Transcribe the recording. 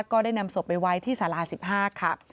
ก็ได้นำศพไปไว้ที่ศาลาสิบห้าค่ะ